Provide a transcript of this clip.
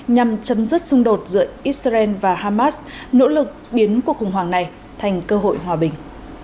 nhằm chấm dứt xung đột giữa israel và hamas nỗ lực biến cuộc khủng hoảng này thành cơ hội hòa bình